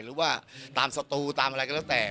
หรือว่าตามสตูตามอะไรก็แล้วแต่